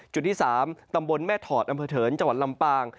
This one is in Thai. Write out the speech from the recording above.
จุดที่๓ตำบลแม่ถอดอำเภอเถินจังหวัดลำปาง